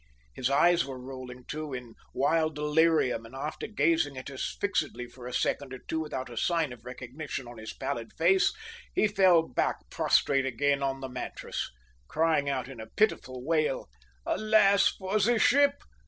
His eyes were rolling, too, in wild delirium, and after gazing at us fixedly for a second or two without a sign of recognition on his pallid face, he fell back prostrate again on the mattress, crying out in a pitiful wail, "Alas, for the ship!